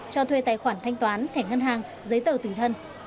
cho thuê tài khoản thanh toán thẻ ngân hàng giấy tờ tùy thân